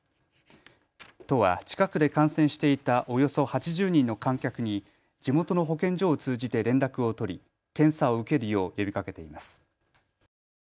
都は近くで観戦していたおよそ８０人の観客に地元の保健所を通じて連絡を取り検査を受けるよう呼びかけています。